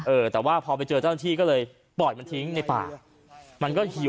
เออแต่ว่าพอไปเจอเจ้าหน้าที่ก็เลยปล่อยมันทิ้งในป่ามันก็หิว